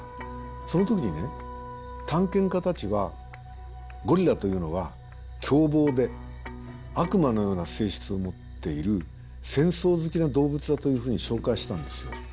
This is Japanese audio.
その時にね探検家たちはゴリラというのは凶暴で悪魔のような性質を持っている戦争好きな動物だというふうに紹介したんですよ。